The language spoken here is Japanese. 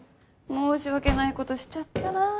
申し訳ない事しちゃったなあ。